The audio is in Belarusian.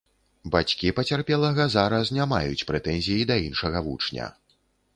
Бацькі пацярпелага зараз не маюць прэтэнзій да іншага вучня.